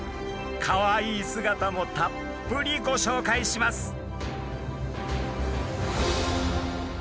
かわいい姿もたっぷりご紹介します。